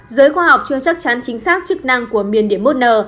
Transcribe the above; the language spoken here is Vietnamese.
giới khoa học chưa chắc chắn chính xác chức năng của miền điểm một n